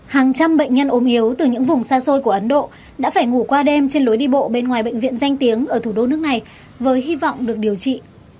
hàng trăm bệnh nhân ốm yếu từ những vùng xa xôi của ấn độ đã phải ngủ qua đêm trên lối đi bộ bên ngoài bệnh viện danh tiếng ở thủ đô nước này với hy vọng được điều trị